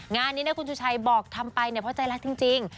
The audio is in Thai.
งานนี้นะคุณสุชัยบอกทำไปเนี่ยเพราะใจรักจริง